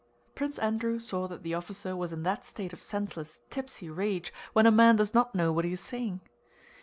Prince Andrew saw that the officer was in that state of senseless, tipsy rage when a man does not know what he is saying.